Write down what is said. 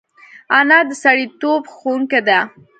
انا د سړیتوب ښوونکې ده